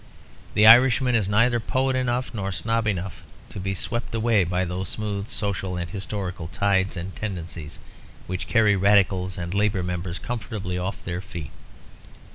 The Irishman is neither poet enough nor snob enough to be swept away by those smooth social and historical tides and tendencies which carry Radicals and Labour members comfortably off their feet.